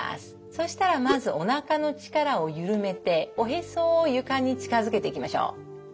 そしたらまずおなかの力を緩めておへそを床に近づけていきましょう。